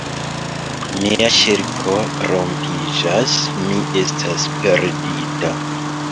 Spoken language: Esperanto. Mia ŝelko rompiĝas: mi estas perdita!